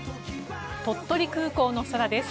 鳥取空港の空です。